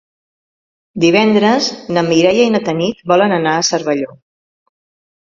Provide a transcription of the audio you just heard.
Divendres na Mireia i na Tanit volen anar a Cervelló.